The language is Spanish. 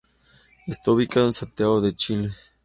Está ubicado en Santiago de Chile.